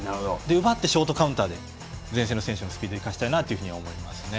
奪ってショートカウンターで前線の選手のスピードを生かしたいなと思いますね。